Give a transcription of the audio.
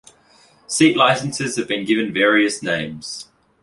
Seat licenses have been given various names.